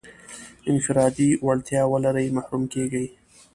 انفرادي وړتیا ولري محروم کېږي.